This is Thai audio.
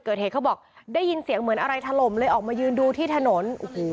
เกิดเหตุเขาบอกได้ยินเสียงเหมือนอะไรถล่มเลยออกมายืนดูที่ถนนโอ้โห